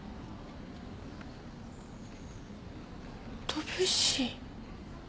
ドビュッシー。